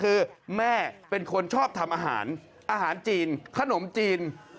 คือแม่เป็นคนชอบทำอาหารอาหารจีนขนมจีน